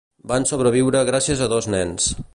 Van sobreviure gràcies a dos nens.